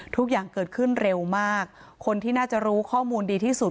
ทุกอย่างเกิดขึ้นเร็วมากคนที่น่าจะรู้ข้อมูลดีที่สุด